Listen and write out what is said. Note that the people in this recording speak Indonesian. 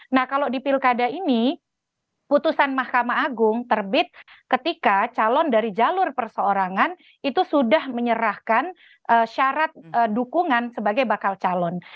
nah kalau di pilkada ini putusan mahkamah agung terbit ketika calon dari jalur perseorangan itu sudah menyerahkan syarat dukungan sebagai bakal calon